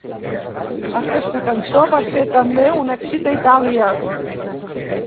Aquesta cançó va ser també un èxit a Itàlia.